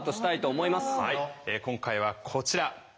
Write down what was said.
はい今回はこちら！